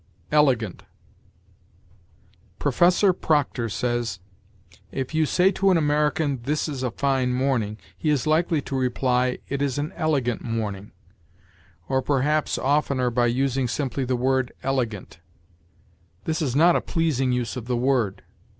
ELEGANT. Professor Proctor says: "If you say to an American, 'This is a fine morning,' he is likely to reply, 'It is an elegant morning,' or perhaps oftener by using simply the word elegant. This is not a pleasing use of the word."